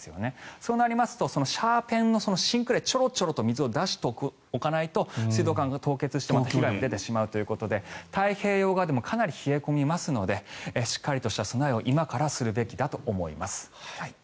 そうなるとシャーペンの芯くらいちょろちょろと水を出しておかないと水道管が凍結して被害も出てしまうということで太平洋側でもかなり冷え込みますのでしっかりとした備えを今からするべきだと思います。